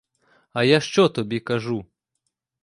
А я що тобі кажу?